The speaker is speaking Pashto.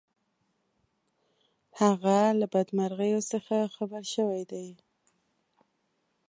هغه له بدمرغیو څخه خبر شوی دی.